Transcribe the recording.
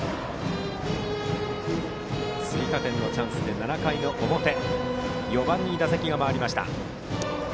追加点のチャンスで７回の表４番に打席が回りました。